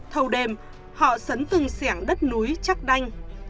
thâu đêm họ sấn từng sẻng đất núi chắc đanh